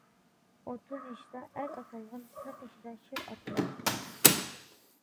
ئوتتۇز يېشىدا ئەر ئاتالغان قىرىق يېشىدا شىر ئاتىلار.